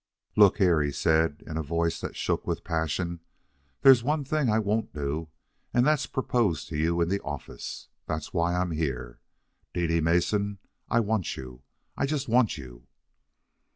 "Look here," he said, in a voice that shook with passion, "there's one thing I won't do, and that's propose to you in the office. That's why I'm here. Dede Mason, I want you. I just want you."